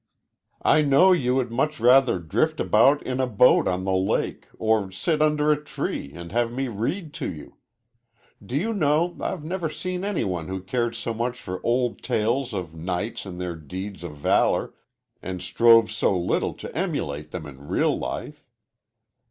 I know you would much rather drift about in a boat on the lake, or sit under a tree, and have me read to you. Do you know, I've never seen any one who cared so much for old tales of knights and their deeds of valor and strove so little to emulate them in real life."